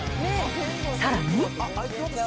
さらに。